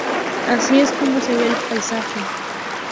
Así es como se ve el paisaje.